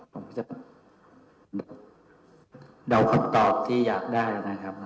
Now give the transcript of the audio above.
ผมก็จะแบบเดาคำตอบที่อยากได้นะครับ